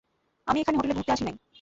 আমি এখানে হোটেলে ঘুরতে আসি নাই।